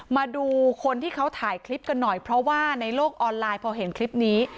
มาดูคนที่เขาถ่ายคลิปกันหน่อยเพราะว่าในโลกออนไลน์พอเห็นคลิปนี้